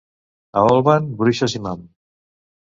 A Olvan, bruixes i mam.